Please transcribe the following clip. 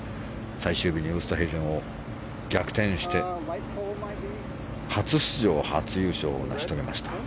最終日にウーストヘイゼンを逆転して初出場、初優勝を成し遂げました。